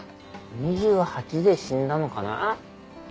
２８で死んだのかな？